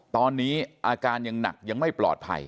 ตอนนี้อาการยังหนักยังไม่ปลอดภัย